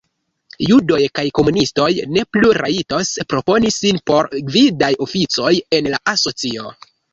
Judoj kaj komunistoj ne plu rajtos proponi sin por gvidaj oficoj en la asocio.